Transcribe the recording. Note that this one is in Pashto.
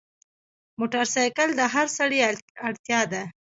موټرسایکل د هر سړي اړتیا ده.